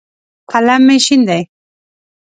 قلم مې شین دی.